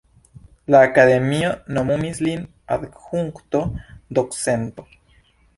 La Akademio nomumis lin Adjunkto-Docento.